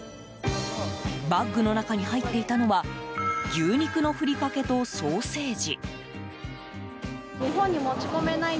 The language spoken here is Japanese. バッグの中に入っていたのは牛肉のふりかけとソーセージ。